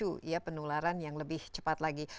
justru memicu penularan yang lebih cepat lagi